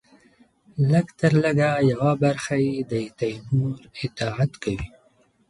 لږترلږه یوه برخه یې د تیمور اطاعت کوي.